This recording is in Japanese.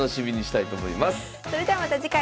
それではまた次回。